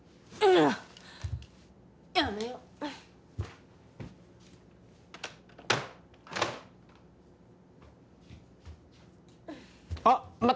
あやめようあっ待った